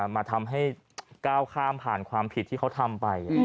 มาทำให้ก้าวข้ามผ่านความผิดที่เขาทำไป